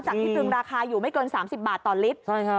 จากที่ตรึงราคาอยู่ไม่เกิน๓๐บาทต่อลิตร